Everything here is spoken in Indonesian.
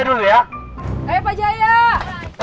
selamat pagi pak jaya